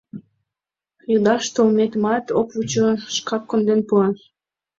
Йодаш толметымат ок вучо, шкак конден пуа.